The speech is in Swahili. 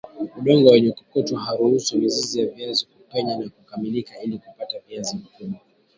udongo wenye kokoto hauruhusu mizizi ya viazi kupenya na kupanuka ili kupata viazi vikubwa